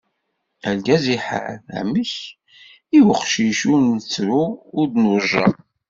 Argaz iḥar, amek, i uqcic ur d-nettru ur d-nujjaq.